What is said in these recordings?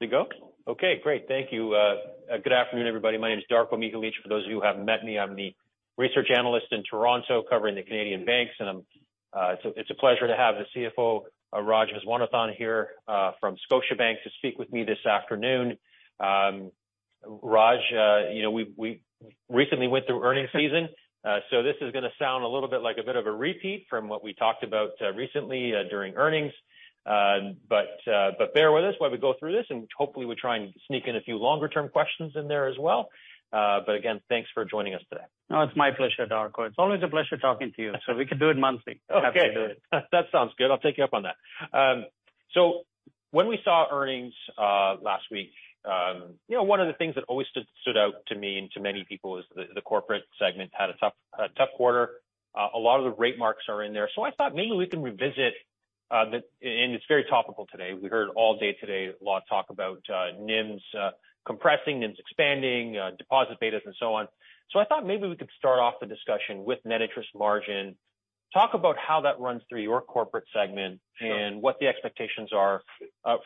Did it go? Okay, great. Thank you. Good afternoon, everybody. My name is Darko Mihelic. For those of you who haven't met me, I'm the Research Analyst in Toronto covering the Canadian banks. It's a pleasure to have the CFO Rajagopal Viswanathan here from Scotiabank to speak with me this afternoon. Raj, you know, we recently went through earnings season, this is gonna sound a little bit like a bit of a repeat from what we talked about recently during earnings. Bear with us while we go through this and hopefully we try and sneak in a few longer-term questions in there as well. Again, thanks for joining us today. No, it's my pleasure, Darko. It's always a pleasure talking to you. We can do it monthly. Okay. That sounds good. I'll take you up on that. When we saw earnings last week, you know, one of the things that always stood out to me and to many people is the corporate segment had a tough quarter. A lot of the rate marks are in there. I thought maybe we can revisit and it's very topical today. We heard all day today a lot of talk about NIMs compressing, NIMs expanding, deposit betas and so on. I thought maybe we could start off the discussion with net interest margin. Talk about how that runs through your corporate segment. Sure. What the expectations are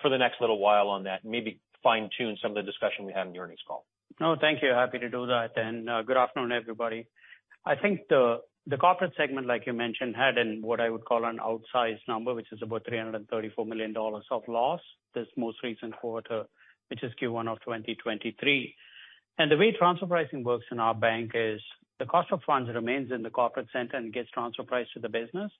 for the next little while on that, and maybe fine-tune some of the discussion we had in the earnings call. No, thank you. Happy to do that. Good afternoon, everybody. I think the corporate segment, like you mentioned, had an what I would call an outsized number, which is about 334 million dollars of loss this most recent quarter, which is Q1 of 2023. The way transfer pricing works in our bank is the cost of funds remains in the corporate center and gets transfer priced to the business.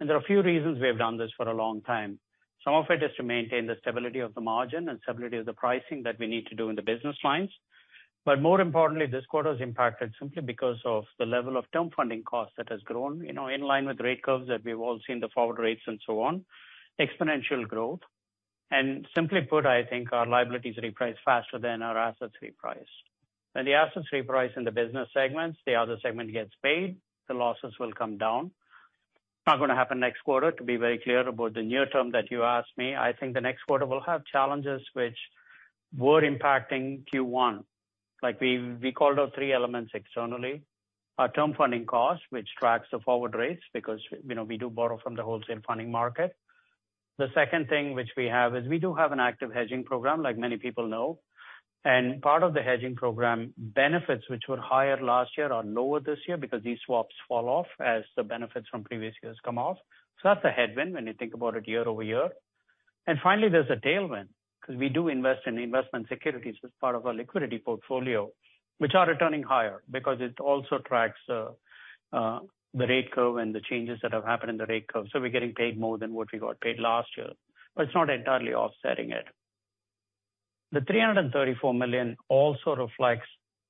There are a few reasons we have done this for a long time. Some of it is to maintain the stability of the margin and stability of the pricing that we need to do in the business lines. More importantly, this quarter is impacted simply because of the level of term funding costs that has grown, you know, in line with rate curves that we've all seen, the forward rates and so on, exponential growth. Simply put, I think our liabilities reprice faster than our assets reprice. When the assets reprice in the business segments, the other segment gets paid, the losses will come down. Not gonna happen next quarter, to be very clear about the near term that you asked me. I think the next quarter will have challenges which were impacting Q1. Like we called out three elements externally. Our term funding cost, which tracks the forward rates because, you know, we do borrow from the wholesale funding market. The second thing which we have is we do have an active hedging program, like many people know. Part of the hedging program benefits which were higher last year are lower this year because these swaps fall off as the benefits from previous years come off. That's a headwind when you think about it year-over-year. Finally, there's a tailwind because we do invest in investment securities as part of our liquidity portfolio, which are returning higher because it also tracks the rate curve and the changes that have happened in the rate curve. We're getting paid more than what we got paid last year, but it's not entirely offsetting it. The 334 million also reflects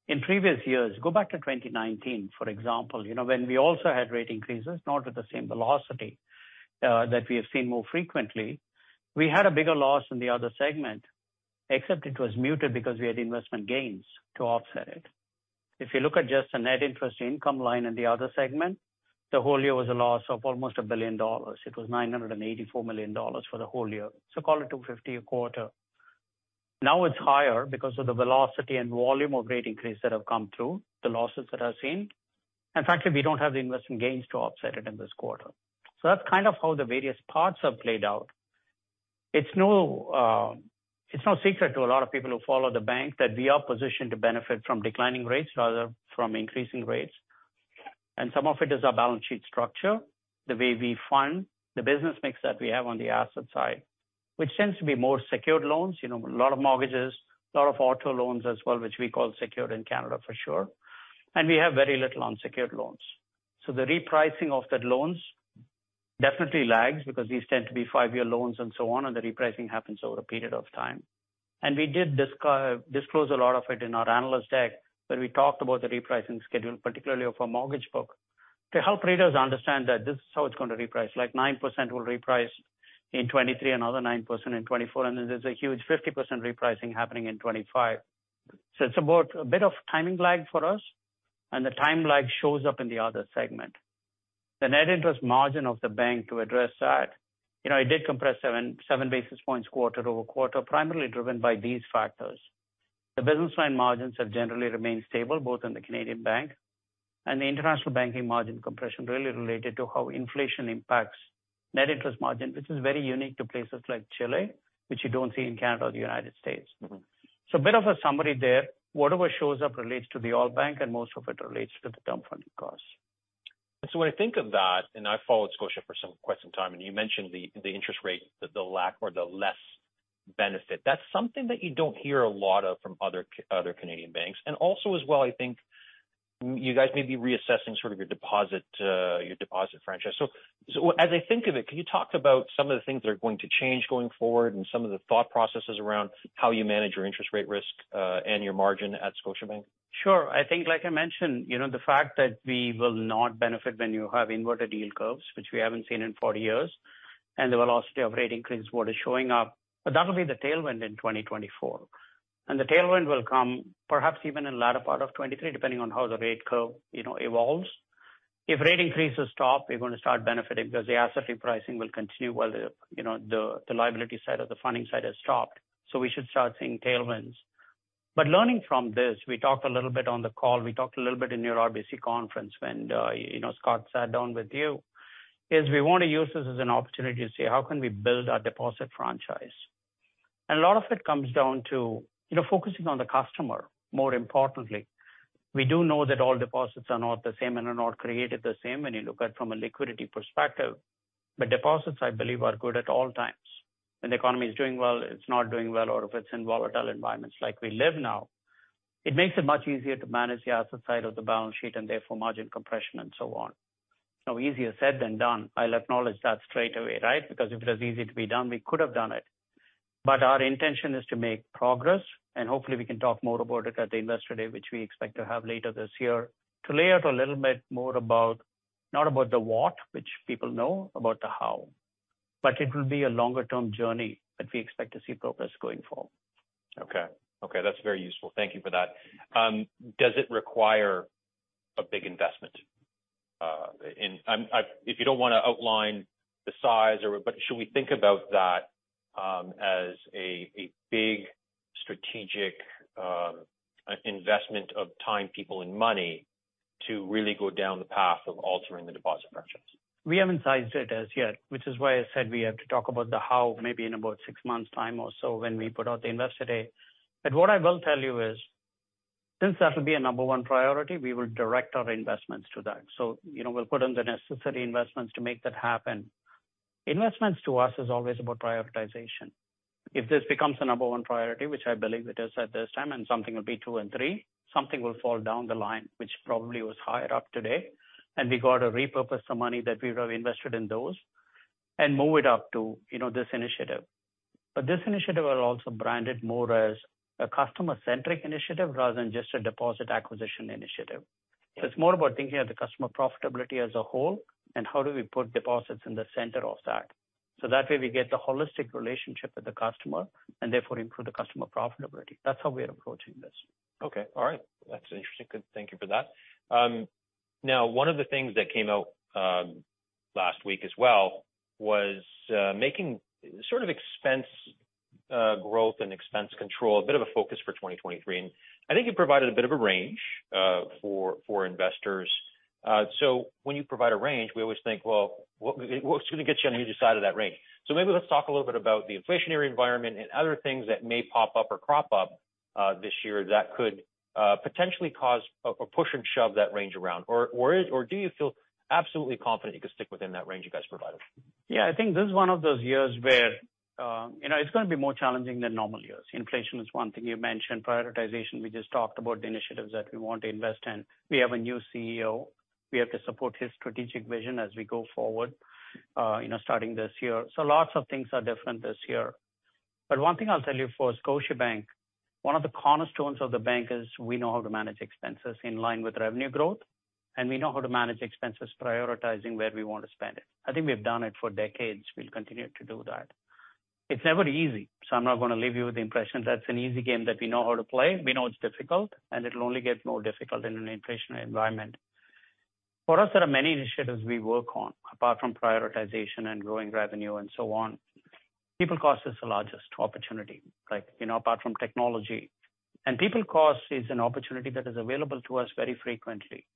in previous years. Go back to 2019, for example, you know, when we also had rate increases, not at the same velocity that we have seen more frequently. We had a bigger loss in the other segment, except it was muted because we had investment gains to offset it. If you look at just the net interest income line in the other segment, the whole year was a loss of almost 1 billion dollars. It was 984 million dollars for the whole year. Call it 250 a quarter. Now it's higher because of the velocity and volume of rate increase that have come through the losses that I've seen. Frankly, we don't have the investment gains to offset it in this quarter. That's kind of how the various parts have played out. It's no secret to a lot of people who follow the bank that we are positioned to benefit from declining rates rather from increasing rates. Some of it is our balance sheet structure, the way we fund the business mix that we have on the asset side, which tends to be more secured loans. You know, a lot of mortgages, a lot of auto loans as well, which we call secured in Canada for sure. We have very little unsecured loans. The repricing of the loans definitely lags because these tend to be five-year loans and so on, and the repricing happens over a period of time. We did disclose a lot of it in our analyst deck when we talked about the repricing schedule, particularly of our mortgage book, to help readers understand that this is how it's going to reprice. Like, 9% will reprice in 2023, another 9% in 2024, and then there's a huge 50% repricing happening in 2025. It's about a bit of timing lag for us. The time lag shows up in the other segment. The net interest margin of the bank to address that, you know, it did compress 7 basis points quarter-over-quarter, primarily driven by these factors. The business line margins have generally remained stable, both in the Canadian bank and the international banking margin compression really related to how inflation impacts net interest margin, which is very unique to places like Chile, which you don't see in Canada or the United States. Mm-hmm. A bit of a summary there. Whatever shows up relates to the whole bank and most of it relates to the term funding costs. When I think of that, and I followed Scotia for some, quite some time, and you mentioned the interest rate, the lack or the less benefit. That's something that you don't hear a lot of from other Canadian banks. Also as well, I think you guys may be reassessing sort of your deposit franchise. As I think of it, can you talk about some of the things that are going to change going forward and some of the thought processes around how you manage your interest rate risk and your margin at Scotiabank? Sure. I think like I mentioned, you know, the fact that we will not benefit when you have inverted yield curves, which we haven't seen in 40 years, the velocity of rate increase what is showing up. That'll be the tailwind in 2024. The tailwind will come perhaps even in latter part of 2023, depending on how the rate curve, you know, evolves. If rate increases stop, we're gonna start benefiting because the asset repricing will continue while the, you know, the liability side or the funding side has stopped. We should start seeing tailwinds. Learning from this, we talked a little bit on the call, we talked a little bit in your RBC conference when, you know, Scott sat down with you, is we wanna use this as an opportunity to say, how can we build our deposit franchise? A lot of it comes down to, you know, focusing on the customer more importantly. We do know that all deposits are not the same and are not created the same when you look at from a liquidity perspective. Deposits, I believe, are good at all times. When the economy is doing well, it's not doing well, or if it's in volatile environments like we live now, it makes it much easier to manage the asset side of the balance sheet and therefore margin compression and so on. Easier said than done. I'll acknowledge that straightaway, right? If it was easy to be done, we could have done it. Our intention is to make progress, and hopefully we can talk more about it at the Investor Day, which we expect to have later this year, to lay out a little bit more about... not about the what, which people know, about the how. It will be a longer-term journey that we expect to see progress going forward. Okay. Okay, that's very useful. Thank you for that. Does it require a big investment? If you don't wanna outline the size or, But should we think about that, as a big strategic investment of time, people, and money to really go down the path of altering the deposit functions? We haven't sized it as yet, which is why I said we have to talk about the how maybe in about six months' time or so when we put out the Investor Day. What I will tell you is, since that will be a number one priority, we will direct our investments to that. You know, we'll put in the necessary investments to make that happen. Investments to us is always about prioritization. If this becomes a number one priority, which I believe it is at this time, and something will be two and three, something will fall down the line, which probably was higher up today, and we gotta repurpose some money that we have invested in those and move it up to, you know, this initiative. This initiative are also branded more as a customer-centric initiative rather than just a deposit acquisition initiative. It's more about thinking of the customer profitability as a whole, and how do we put deposits in the center of that. That way we get the holistic relationship with the customer and therefore improve the customer profitability. That's how we are approaching this. Okay. All right. That's interesting. Good. Thank you for that. Now one of the things that came out last week as well was making sort of expense growth and expense control a bit of a focus for 2023. I think you provided a bit of a range for investors. When you provide a range, we always think, well, what's gonna get you on either side of that range? Maybe let's talk a little bit about the inflationary environment and other things that may pop up or crop up this year that could potentially cause or push and shove that range around. Do you feel absolutely confident you can stick within that range you guys provided? Yeah. I think this is one of those years where, you know, it's gonna be more challenging than normal years. Inflation is one thing you mentioned. Prioritization, we just talked about the initiatives that we want to invest in. We have a new CEO. We have to support his strategic vision as we go forward, you know, starting this year. Lots of things are different this year. One thing I'll tell you for Scotiabank, one of the cornerstones of the bank is we know how to manage expenses in line with revenue growth, and we know how to manage expenses prioritizing where we want to spend it. I think we've done it for decades. We'll continue to do that. It's never easy, so I'm not gonna leave you with the impression that's an easy game that we know how to play. We know it's difficult. It'll only get more difficult in an inflationary environment. For us, there are many initiatives we work on apart from prioritization and growing revenue and so on. People cost is the largest opportunity, like, you know, apart from technology. People cost is an opportunity that is available to us very frequently.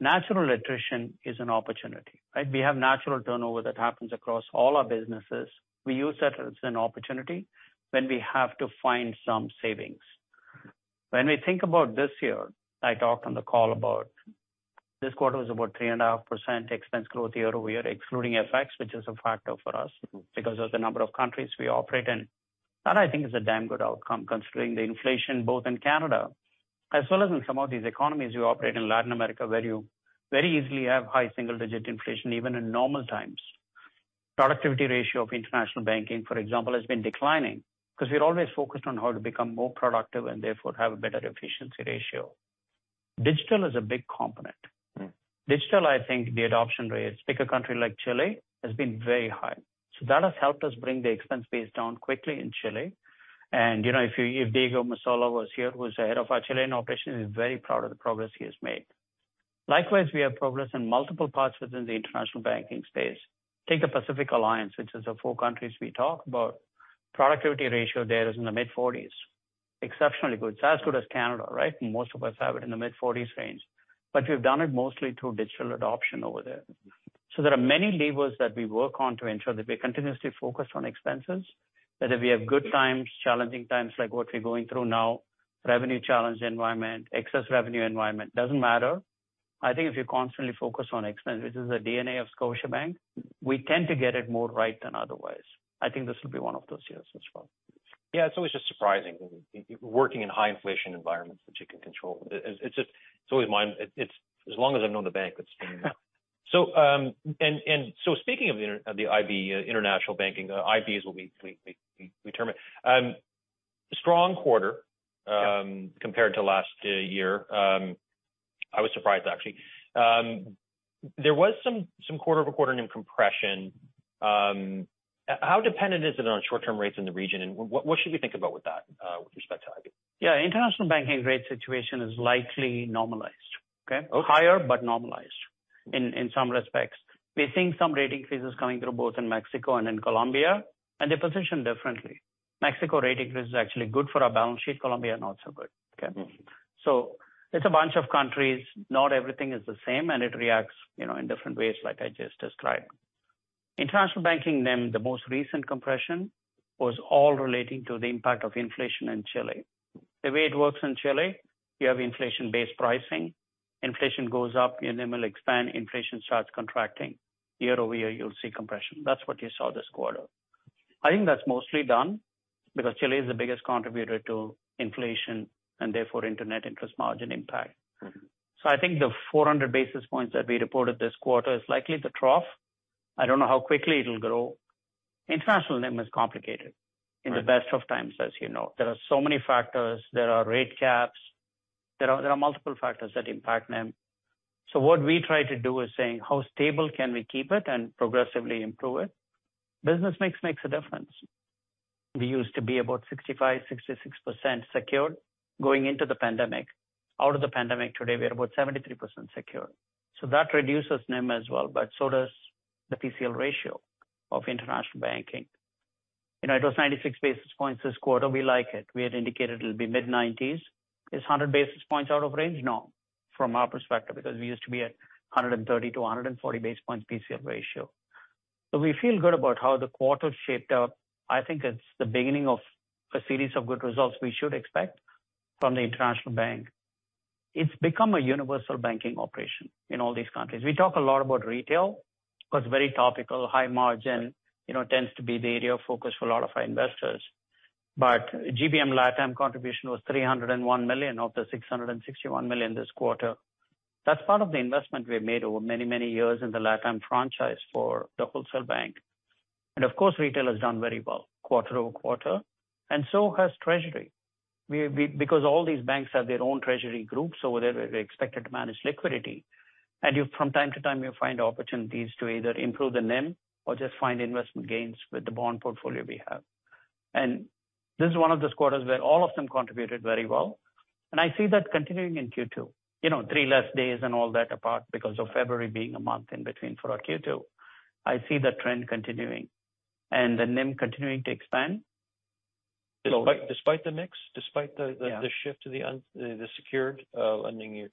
Natural attrition is an opportunity, right? We have natural turnover that happens across all our businesses. We use that as an opportunity when we have to find some savings. When we think about this year, I talked on the call about this quarter was about 3.5% expense growth year-over-year, excluding FX, which is a factor for us because of the number of countries we operate in. That I think is a damn good outcome considering the inflation both in Canada as well as in some of these economies you operate in Latin America, where you very easily have high single-digit inflation even in normal times. Productivity ratio of international banking, for example, has been declining because we're always focused on how to become more productive and therefore have a better efficiency ratio. Digital is a big component. Mm. Digital, I think the adoption rate, pick a country like Chile, has been very high. That has helped us bring the expense base down quickly in Chile. You know, if Diego Masola was here, who's the head of our Chilean operation, he's very proud of the progress he has made. Likewise, we have progress in multiple parts within the international banking space. Take the Pacific Alliance, which is the four countries we talk about. Productivity ratio there is in the mid-40's. Exceptionally good. It's as good as Canada, right? Most of us have it in the mid-forties range. We've done it mostly through digital adoption over there. There are many levers that we work on to ensure that we are continuously focused on expenses, that if we have good times, challenging times like what we're going through now, revenue challenge environment, excess revenue environment, doesn't matter. I think if you constantly focus on expense, which is the DNA of Scotiabank, we tend to get it more right than otherwise. I think this will be one of those years as well. It's always just surprising working in high inflation environments that you can control. It's just, it's always It's, as long as I've known the bank, it's been that. Speaking of the IB, international banking, the IBs will be determined. Strong quarter, compared to last year. I was surprised actually. There was some quarter-over-quarter compression. How dependent is it on short-term rates in the region, and what should we think about with that, with respect to IB? Yeah. International banking rate situation is likely normalized, okay? Okay. Higher but normalized. In some respects. We're seeing some rate increases coming through both in Mexico and in Colombia. They're positioned differently. Mexico rate increase is actually good for our balance sheet, Colombia not so good. Okay. Mm-hmm. It's a bunch of countries. Not everything is the same, and it reacts, you know, in different ways like I just described. In international banking NIM, the most recent compression was all relating to the impact of inflation in Chile. The way it works in Chile, you have inflation-based pricing. Inflation goes up, your NIM will expand. Inflation starts contracting, year-over-year, you'll see compression. That's what you saw this quarter. I think that's mostly done because Chile is the biggest contributor to inflation and therefore net interest margin impact. Mm-hmm. I think the 400 basis points that we reported this quarter is likely the trough. I don't know how quickly it'll grow. International NIM is complicated. Right. in the best of times, as you know. There are so many factors. There are rate caps. There are multiple factors that impact NIM. What we try to do is saying how stable can we keep it and progressively improve it. Business mix makes a difference. We used to be about 65%, 66% secured going into the pandemic. Out of the pandemic today, we are about 73% secured. That reduces NIM as well, but so does the PCL ratio of international banking. You know, it was 96 basis points this quarter. We like it. We had indicated it'll be mid-90's. Is 100 basis points out of range? No, from our perspective, because we used to be at 130-140 basis points PCL ratio. We feel good about how the quarter shaped up. I think it's the beginning of a series of good results we should expect from the international bank. It's become a universal banking operation in all these countries. We talk a lot about retail because very topical, high margin, you know, tends to be the area of focus for a lot of our investors. GBM LatAm contribution was 301 million of the 661 million this quarter. That's part of the investment we have made over many, many years in the LatAm franchise for the wholesale bank. Of course, retail has done very well quarter-over-quarter, and so has treasury. Because all these banks have their own treasury groups over there where they're expected to manage liquidity. From time to time, you find opportunities to either improve the NIM or just find investment gains with the bond portfolio we have. This is one of those quarters where all of them contributed very well. I see that continuing in Q2. You know, three less days and all that apart because of February being a month in between for our Q2. I see the trend continuing and the NIM continuing to expand. Despite the mix, despite. Yeah. the shift to the secured, lending you...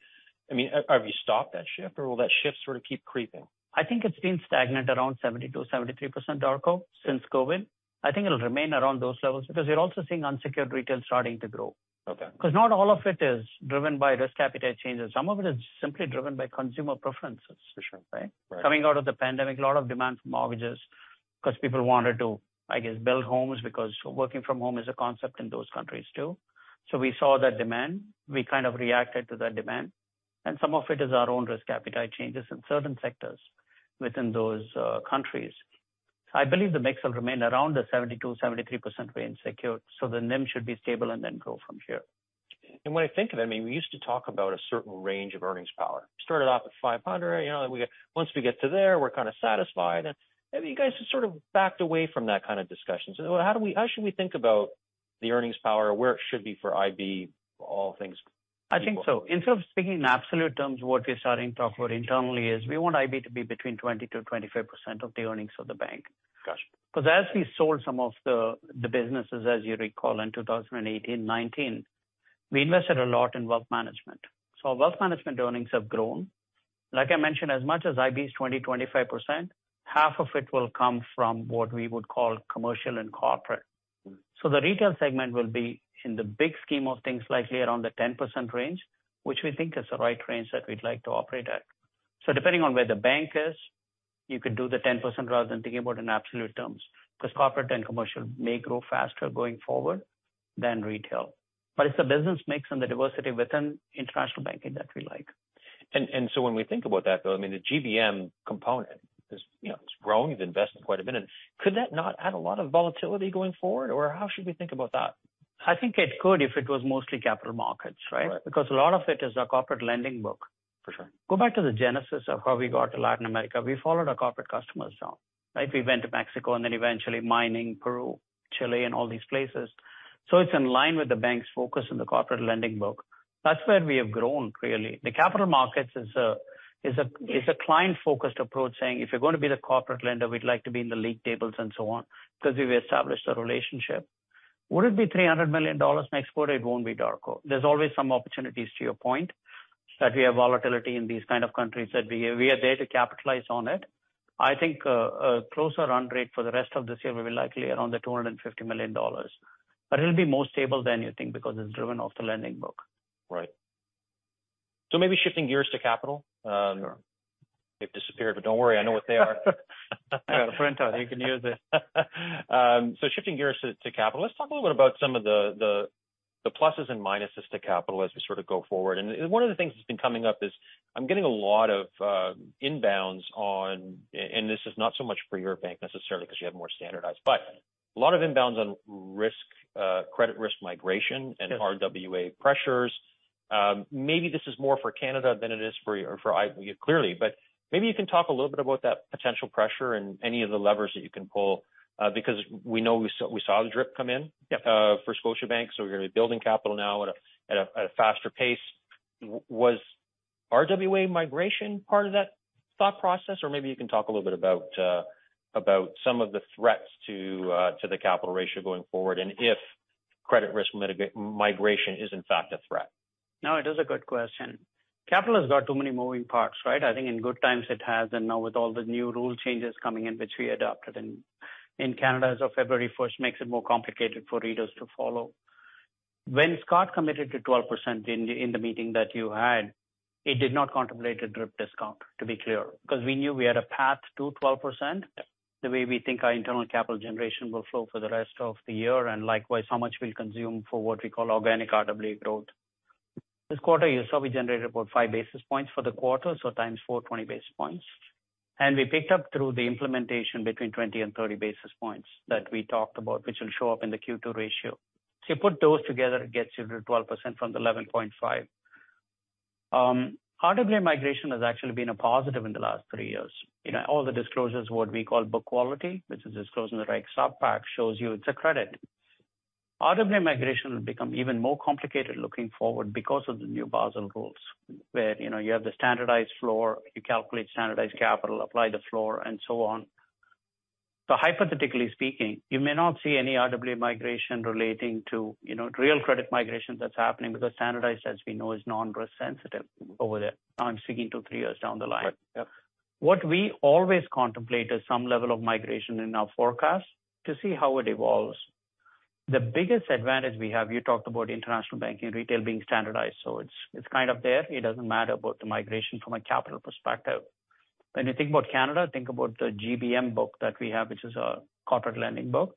I mean, have you stopped that shift, or will that shift sort of keep creeping? I think it's been stagnant around 72%-73%, Darko, since COVID. I think it'll remain around those levels because you're also seeing unsecured retail starting to grow. Okay. 'Cause not all of it is driven by risk appetite changes. Some of it is simply driven by consumer preferences. For sure. Right? Right. Coming out of the pandemic, a lot of demand for mortgages because people wanted to, I guess, build homes because working from home is a concept in those countries too. We saw that demand, we kind of reacted to that demand, and some of it is our own risk appetite changes in certain sectors within those countries. I believe the mix will remain around the 72%-73% range secured. The NIM should be stable and then grow from here. When I think of it, I mean, we used to talk about a certain range of earnings power. Started off at 500. You know, once we get to there, we're kind of satisfied. Maybe you guys have sort of backed away from that kind of discussion. How should we think about the earnings power or where it should be for IB, all things equal? I think so. Instead of speaking in absolute terms, what we're starting to talk about internally is we want IB to be between 20%-25% of the earnings of the bank. Gotcha. As we sold some of the businesses, as you recall, in 2018, 2019, we invested a lot in wealth management. Our wealth management earnings have grown. Like I mentioned, as much as IB is 20%-25%, half of it will come from what we would call commercial and corporate. Mm. The retail segment will be, in the big scheme of things, likely around the 10% range, which we think is the right range that we'd like to operate at. Depending on where the bank is, you could do the 10% rather than thinking about in absolute terms, because corporate and commercial may grow faster going forward than retail. It's the business mix and the diversity within international banking that we like. When we think about that, though, I mean, the GBM component is, you know, it's growing. You've invested quite a bit. Could that not add a lot of volatility going forward, or how should we think about that? I think it could if it was mostly capital markets, right? Right. A lot of it is our corporate lending book. For sure. Go back to the genesis of how we got to Latin America. We followed our corporate customers down, right? We went to Mexico and then eventually mining Peru, Chile and all these places. It's in line with the bank's focus in the corporate lending book. That's where we have grown, really. The capital markets is a client-focused approach, saying if you're gonna be the corporate lender, we'd like to be in the league tables and so on, because we've established a relationship. Would it be 300 million dollars next quarter? It won't be, Darko. There's always some opportunities, to your point, that we have volatility in these kind of countries that we are there to capitalize on it. I think a closer run rate for the rest of this year will be likely around 250 million dollars. It'll be more stable than you think because it's driven off the lending book. Right. Maybe shifting gears to capital. Sure. They've disappeared, but don't worry, I know what they are. I have a printer. You can use it. Shifting gears to capital, let's talk a little bit about some of the pluses and minuses to capital as we sort of go forward. One of the things that's been coming up is I'm getting a lot of inbounds on. This is not so much for your bank necessarily because you have more standardized. A lot of inbounds on risk, credit risk migration- Yes. RWA pressures. Maybe this is more for Canada than it is for IB, clearly. Maybe you can talk a little bit about that potential pressure and any of the levers that you can pull. Because we know we saw the DRIP come in- Yeah. For Scotiabank, so you're building capital now at a faster pace. RWA migration part of that thought process? Maybe you can talk a little bit about some of the threats to the capital ratio going forward, and if credit risk migration is in fact a threat. It is a good question. Capital has got too many moving parts, right? I think in good times it has. Now with all the new rule changes coming in which we adopted in Canada as of February 1st makes it more complicated for readers to follow. When Scott committed to 12% in the meeting that you had, it did not contemplate a DRIP discount, to be clear, because we knew we had a path to 12% the way we think our internal capital generation will flow for the rest of the year, and likewise how much we'll consume for what we call organic RWA growth. This quarter, you saw we generated about 5 basis points for the quarter. Times four, 20 basis points. We picked up through the implementation between 20 and 30 basis points that we talked about, which will show up in the Q2 ratio. You put those together, it gets you to 12% from the 11.5%. RWA migration has actually been a positive in the last three years. You know, all the disclosures, what we call book quality, which is disclosed in the REG CPAC shows you it's a credit. RWA migration will become even more complicated looking forward because of the new Basel rules, where, you know, you have the standardized floor, you calculate standardized capital, apply the floor, and so on. Hypothetically speaking, you may not see any RWA migration relating to, you know, real credit migration that's happening because standardized, as we know, is non-risk sensitive over there. I'm speaking to three years down the line. Yep. What we always contemplate is some level of migration in our forecast to see how it evolves. The biggest advantage we have, you talked about international banking, retail being standardized, so it's kind of there. It doesn't matter about the migration from a capital perspective. When you think about Canada, think about the GBM book that we have, which is a corporate lending book.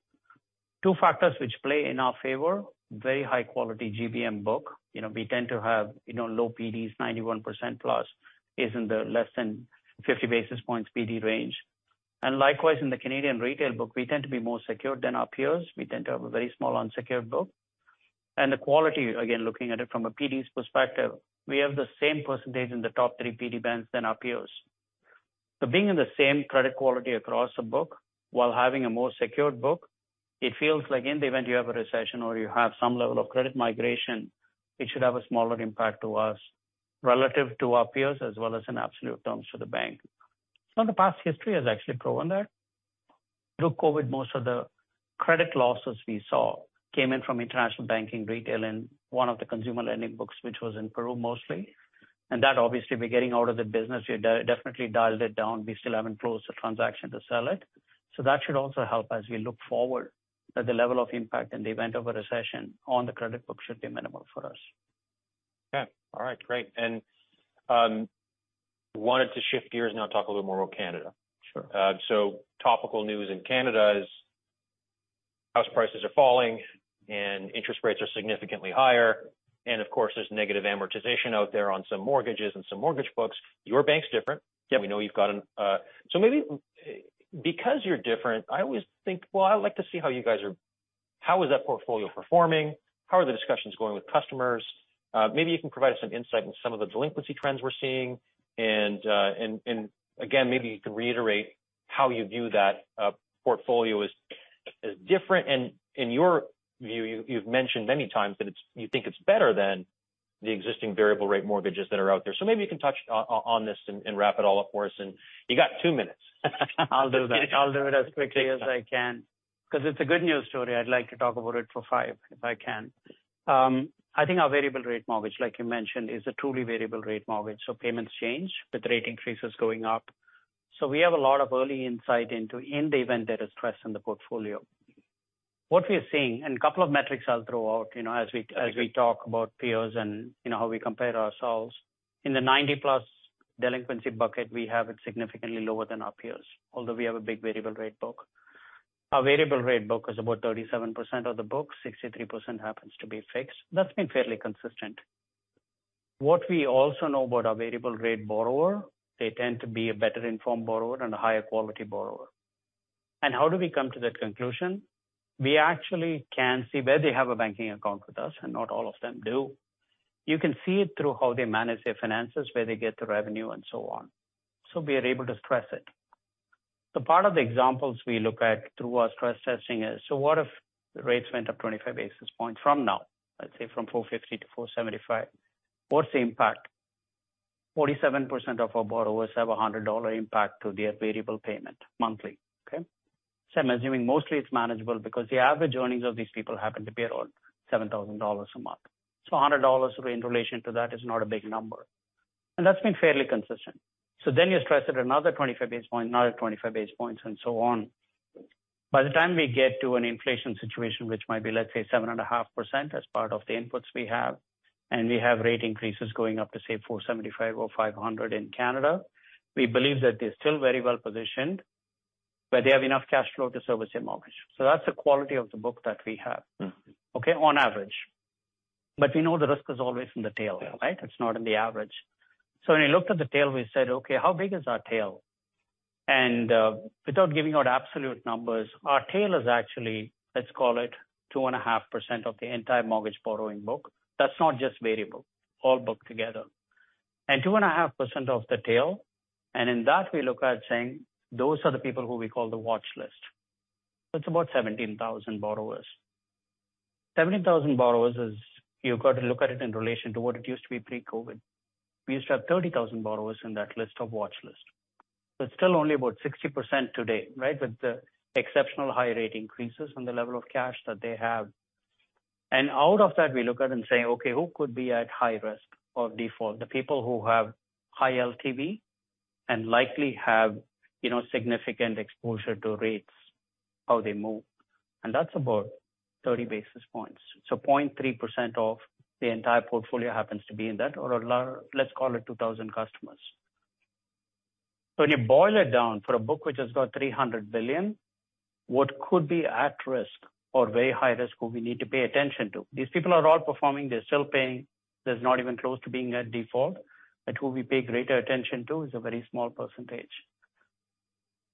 Two factors which play in our favor, very high quality GBM book. You know, we tend to have, you know, low PDs, 91% plus is in the less than 50 basis points PD range. Likewise, in the Canadian retail book, we tend to be more secured than our peers. We tend to have a very small unsecured book. The quality, again, looking at it from a PDs perspective, we have the same percentage in the top three PD bands than our peers. Being in the same credit quality across a book while having a more secured book, it feels like in the event you have a recession or you have some level of credit migration, it should have a smaller impact to us relative to our peers as well as in absolute terms to the bank. The past history has actually proven that. Through COVID, most of the credit losses we saw came in from international banking retail in one of the consumer lending books, which was in Peru mostly. That obviously we're getting out of the business. We definitely dialed it down. We still haven't closed the transaction to sell it. That should also help as we look forward that the level of impact in the event of a recession on the credit book should be minimal for us. Okay. All right. Great. Wanted to shift gears now talk a little more about Canada. Sure. Topical news in Canada is house prices are falling and interest rates are significantly higher. Of course, there's negative amortization out there on some mortgages and some mortgage books. Your bank's different. Yeah. We know you've got an. Maybe because you're different, I always think, well, I would like to see how is that portfolio performing? How are the discussions going with customers? Maybe you can provide us some insight on some of the delinquency trends we're seeing. Again, maybe you can reiterate how you view that portfolio is different. In your view, you've mentioned many times that you think it's better than the existing variable rate mortgages that are out there. Maybe you can touch on this and wrap it all up for us. You got two minutes. I'll do that. I'll do it as quickly as I can because it's a good news story. I'd like to talk about it for five if I can. I think our variable rate mortgage, like you mentioned, is a truly variable rate mortgage, so payments change with rate increases going up. We have a lot of early insight into in the event there is stress in the portfolio. What we are seeing and a couple of metrics I'll throw out, you know. Agreed. As we talk about peers and you know how we compare ourselves. In the 90-plus delinquency bucket, we have it significantly lower than our peers, although we have a big variable rate book. Our variable rate book is about 37% of the book, 63% happens to be fixed. That's been fairly consistent. What we also know about our variable rate borrower, they tend to be a better informed borrower and a higher quality borrower. How do we come to that conclusion? We actually can see where they have a banking account with us, and not all of them do. You can see it through how they manage their finances, where they get the revenue and so on. We are able to stress it. Part of the examples we look at through our stress testing is, what if rates went up 25 basis points from now, let's say from 4.50% to 4.75? What's the impact? 47% of our borrowers have a 100 dollar impact to their variable payment monthly. Okay? I'm assuming mostly it's manageable because the average earnings of these people happen to be around 7,000 dollars a month. 100 dollars in relation to that is not a big number. That's been fairly consistent. You stress it another 25 basis points, another 25 basis points and so on. By the time we get to an inflation situation which might be, let's say, 7.5% as part of the inputs we have, and we have rate increases going up to say 4.75% or 5% in Canada, we believe that they're still very well positioned where they have enough cash flow to service their mortgage. That's the quality of the book that we have. Mm-hmm. Okay. On average. We know the risk is always in the tail, right. It's not in the average. When we looked at the tail, we said, "Okay, how big is our tail?" Without giving out absolute numbers, our tail is actually, let's call it 2.5% of the entire mortgage borrowing book. That's not just variable, all book together. 2.5% of the tail, and in that we look at saying those are the people who we call the watch list. That's about 17,000 borrowers. 70,000 borrowers is, you've got to look at it in relation to what it used to be pre-COVID. We used to have 30,000 borrowers in that list of watchlist. It's still only about 60% today, right, with the exceptional high rate increases and the level of cash that they have. Out of that, we look at and say, "Okay, who could be at high risk of default?" The people who have high LTV and likely have, you know, significant exposure to rates, how they move, and that's about 30 basis points. 0.3% of the entire portfolio happens to be in that or let's call it 2,000 customers. When you boil it down for a book which has got 300 billion, what could be at risk or very high risk who we need to pay attention to? These people are all performing, they're still paying. There's not even close to being a default. Who we pay greater attention to is a very small percentage.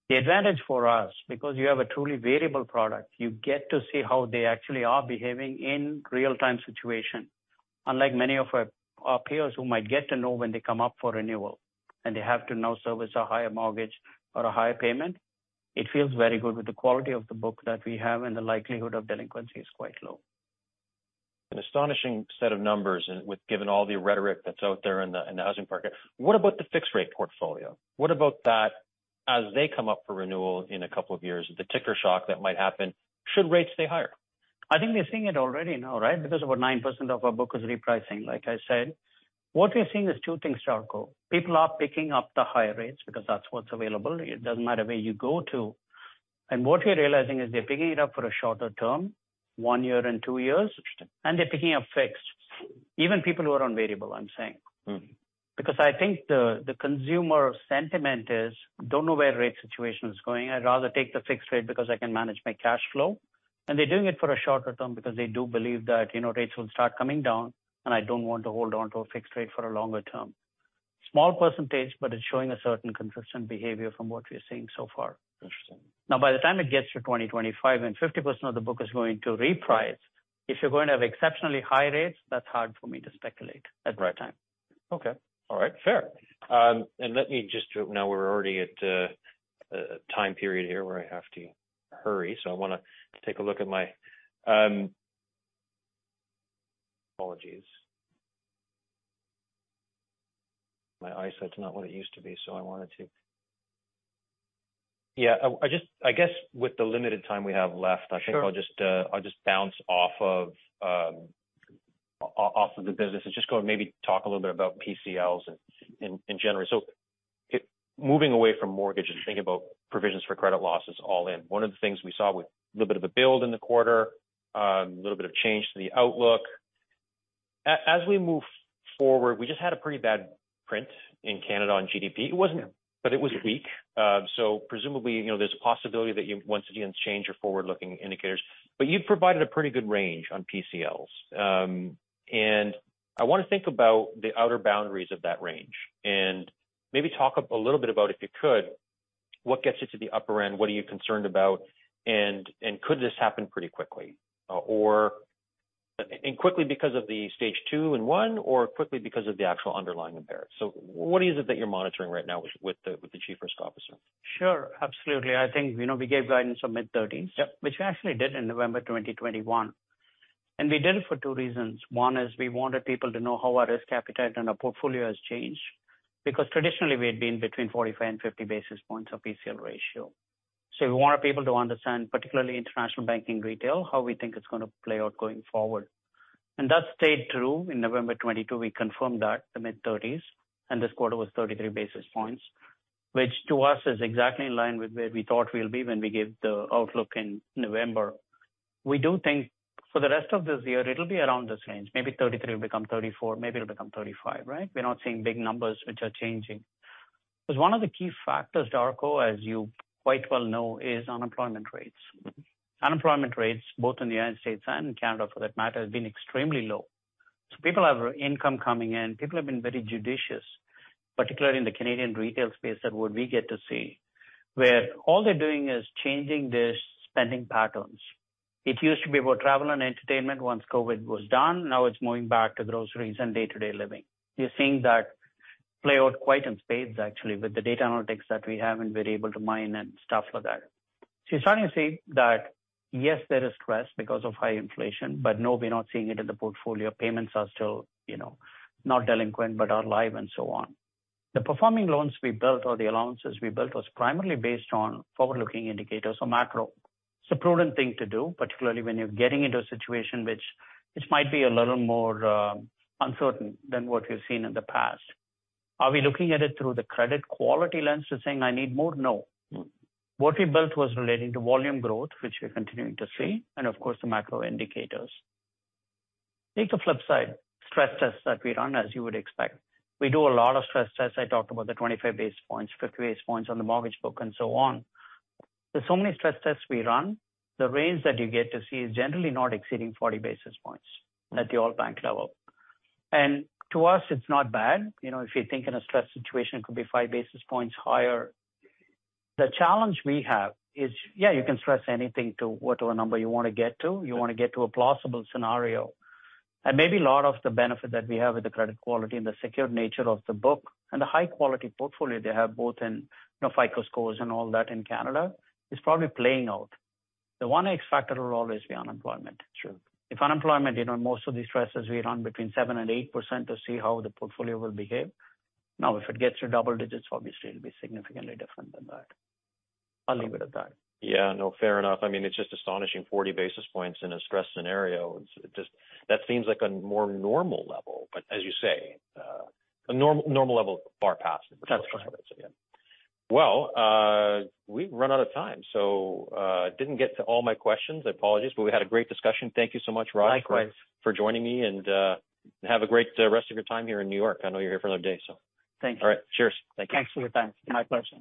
The advantage for us, because you have a truly variable product, you get to see how they actually are behaving in real-time situation. Unlike many of our peers who might get to know when they come up for renewal and they have to now service a higher mortgage or a higher payment. It feels very good with the quality of the book that we have, and the likelihood of delinquency is quite low. An astonishing set of numbers given all the rhetoric that's out there in the housing market. What about the fixed rate portfolio? What about that as they come up for renewal in a couple of years, the ticker shock that might happen should rates stay higher? I think we're seeing it already now, right? Because over 9% of our book is repricing, like I said. What we're seeing is two things, Darko. People are picking up the higher rates because that's what's available. It doesn't matter where you go to. What we're realizing is they're picking it up for a shorter term, one year and two years, and they're picking up fixed. Even people who are on variable, I'm saying. Mm-hmm. I think the consumer sentiment is, don't know where rate situation is going. I'd rather take the fixed rate because I can manage my cash flow. They're doing it for a shorter term because they do believe that, you know, rates will start coming down, and I don't want to hold on to a fixed rate for a longer term. Small percentage, but it's showing a certain consistent behavior from what we're seeing so far. Interesting. By the time it gets to 2025 and 50% of the book is going to reprice, if you're going to have exceptionally high rates, that's hard for me to speculate at the right time. Okay. All right. Fair. Now we're already at a time period here where I have to hurry. I wanna take a look at my. Apologies. My eyesight's not what it used to be. Yeah. I guess with the limited time we have left. Sure. I think I'll just, I'll just bounce off of the business and just go and maybe talk a little bit about PCLs in general. Moving away from mortgages, think about provisions for credit losses all in. One of the things we saw with a little bit of a build in the quarter, a little bit of change to the outlook. As we move forward, we just had a pretty bad print in Canada on GDP. It wasn't- Yeah. It was weak. Presumably, you know, there's a possibility that you once again change your forward-looking indicators, but you've provided a pretty good range on PCLs. I wanna think about the outer boundaries of that range and maybe talk a little bit about, if you could, what gets you to the upper end, what are you concerned about, and could this happen pretty quickly? And quickly because of the Stage 2 and 1, or quickly because of the actual underlying impairment. What is it that you're monitoring right now with the chief risk officer? Sure. Absolutely. I think, you know, we gave guidance on mid-thirties. Yep. Which we actually did in November 2021. We did it for two reasons. One is we wanted people to know how our risk appetite and our portfolio has changed, because traditionally we had been between 45 and 50 basis points of PCL ratio. We want people to understand, particularly international banking retail, how we think it's gonna play out going forward. That stayed true. In November 2022, we confirmed that, the mid-30s, and this quarter was 33 basis points, which to us is exactly in line with where we thought we'll be when we gave the outlook in November. We do think for the rest of this year it'll be around this range. Maybe 33 will become 34, maybe it'll become 35, right? We're not seeing big numbers which are changing. One of the key factors, Darko, as you quite well know, is unemployment rates. Unemployment rates, both in the U.S. and in Canada for that matter, has been extremely low. People have income coming in. People have been very judicious, particularly in the Canadian retail space, at what we get to see, where all they're doing is changing their spending patterns. It used to be about travel and entertainment once COVID was done. Now it's moving back to groceries and day-to-day living. You're seeing that play out quite in spades actually with the data analytics that we have and we're able to mine and stuff like that. You're starting to see that, yes, there is stress because of high inflation, but no, we're not seeing it in the portfolio. Payments are still, you know, not delinquent, but are live and so on. The performing loans we built or the allowances we built was primarily based on forward-looking indicators or macro. It's a prudent thing to do, particularly when you're getting into a situation which might be a little more uncertain than what we've seen in the past. Are we looking at it through the credit quality lens to saying I need more? No. Mm-hmm. What we built was relating to volume growth, which we're continuing to see, and of course the macro indicators. Take the flip side, stress tests that we run, as you would expect. We do a lot of stress tests. I talked about the 25 basis points, 50 basis points on the mortgage book and so on. There's so many stress tests we run, the range that you get to see is generally not exceeding 40 basis points at the all bank level. To us, it's not bad. You know, if you think in a stress situation, it could be 5 basis points higher. The challenge we have is, yeah, you can stress anything to whatever number you wanna get to. You wanna get to a plausible scenario. Maybe a lot of the benefit that we have with the credit quality and the secured nature of the book and the high-quality portfolio they have both in, you know, FICO scores and all that in Canada is probably playing out. The one X-factor will always be unemployment. True. If unemployment, you know, most of these stresses we run between 7% and 8% to see how the portfolio will behave. Now, if it gets to double digits, obviously it'll be significantly different than that. I'll leave it at that. Yeah. No, fair enough. I mean, it's just astonishing, 40 basis points in a stress scenario. That seems like a more normal level. As you say, a normal level far past- That's right. Well, we've run out of time, so, didn't get to all my questions. I apologize, but we had a great discussion. Thank you so much, Raj- Likewise. -for joining me and, have a great rest of your time here in New York. I know you're here for another day, so. Thank you. All right. Cheers. Thank you. Thanks for your time. My pleasure.